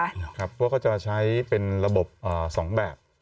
พวกเขาก็จะใช้เป็นระบบ๒แบบ